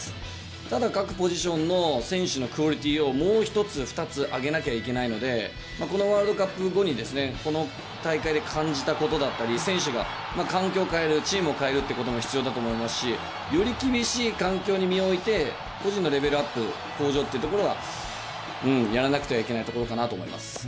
ただ各ポジションの選手のクオリティーをもう１つ、２つ上げなきゃいけないので、このワールドカップ後に、この大会で感じたことだったり、選手が環境を変える、チームを変えるということも必要だと思いますし、より厳しい環境に身を置いて、個人のレベルアップ向上っていうところが、やらなくてはいけないところかなと思います。